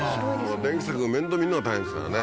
電気柵面倒見るのが大変ですからね